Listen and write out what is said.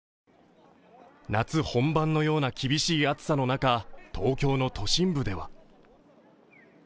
夏本番のような厳しい暑さの中東京の都心部では